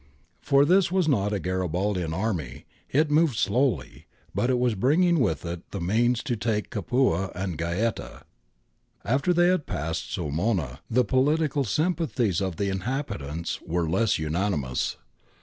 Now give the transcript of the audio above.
For this was not a Garibaldian army ; it moved slowly, but it was bringing with it the means to take Capua and Gaeta.^ After they had passed Sulmona, the political sym pathies of the inhabitants were less unanimous.